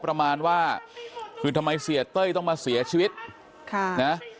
ประมาณว่าคือทำไมเสียเต้ยต้องมาเสียชีวิตค่ะนะ